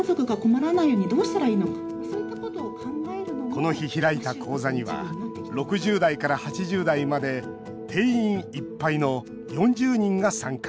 この日、開いた講座には６０代から８０代まで定員いっぱいの４０人が参加。